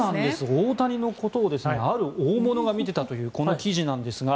大谷のことをある大物が見ていたという記事です。